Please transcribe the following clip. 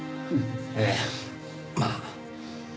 ええまあ。